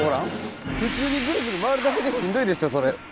普通にぐるぐる回るだけでしんどいでしょそれ。